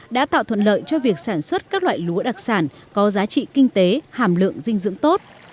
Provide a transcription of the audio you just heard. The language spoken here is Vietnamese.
đã tạo thuận lợi cho việc sản xuất các loại lúa đặc sản có giá trị kinh tế hàm lượng dinh dưỡng tốt